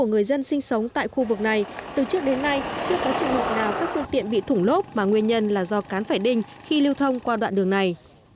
ngày trước đến nay chưa có trường hợp nào các phương tiện bị thủng lốp mà nguyên nhân là do cán phải đinh khi lưu thông qua đoạn đường này